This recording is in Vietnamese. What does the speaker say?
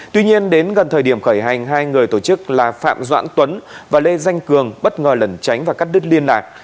tuy nhiên đến gần thời điểm khởi hành hai người tổ chức là phạm doãn tuấn và lê danh cường bất ngờ lẩn tránh và cắt đứt liên lạc